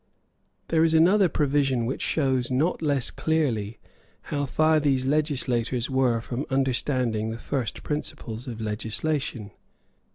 There is another provision which shows not less clearly how far these legislators were from understanding the first principles of legislation.